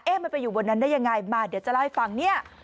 มันไปอยู่บนนั้นได้ยังไงมาเดี๋ยวจะเล่าให้ฟังเนี่ย